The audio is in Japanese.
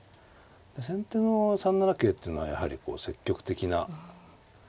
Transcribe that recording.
先手の３七桂っていうのはやはりこう積極的な手で。